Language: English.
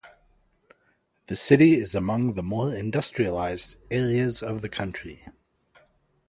The city is among the more industrialized areas of the country.